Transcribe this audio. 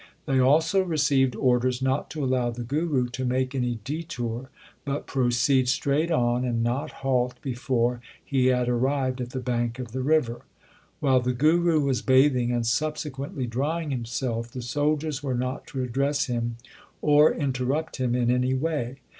They also received orders not to allow the Guru to make any detour, but proceed straight on, and not halt before he had arrived at the bank of the river. While the Guru was bathing and subsequently drying himself, the soldiers were not to address him or interrupt him in any way.